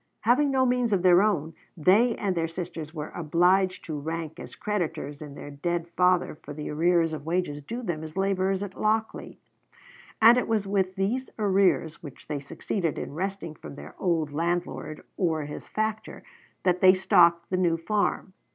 Having no means of their own, they and their sisters were obliged to rank as creditors of their dead father for the arrears of wages due them as laborers at Lochlea; and it was with these arrears, which they succeeded in wresting from their old landlord or his factor, that they stocked the new farm.